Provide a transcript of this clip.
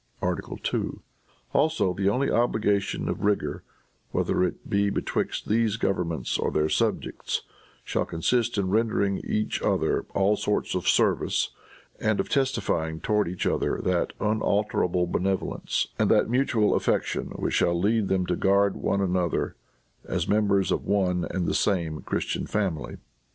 "Article II. Also the only obligation of rigor, whether it be between these governments or their subjects, shall consist in rendering each other all sorts of service, and of testifying towards each other that unalterable benevolence and that mutual affection which shall lead them to guard one another as members of one and the same Christian family.